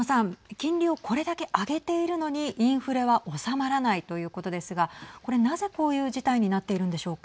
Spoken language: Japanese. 金利をこれだけ上げているのにインフレは収まらないということですがこれ、なぜこういう事態になっているんでしょうか。